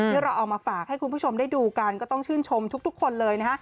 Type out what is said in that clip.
เราเอามาฝากให้คุณผู้ชมได้ดูกันก็ต้องชื่นชมทุกคนเลยนะฮะ